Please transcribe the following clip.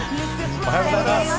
おはようございます。